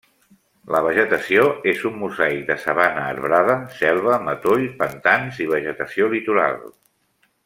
La vegetació és un mosaic de sabana arbrada, selva, matoll, pantans i vegetació litoral.